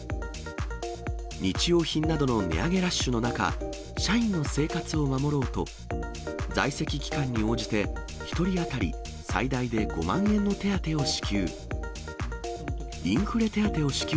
日用品などの値上げラッシュの中、社員の生活を守ろうと、在籍期間に応じて１人当たり最大で５万円の手当を支給。